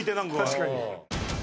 確かに。